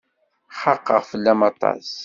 Xaqeɣ fell-am aṭas.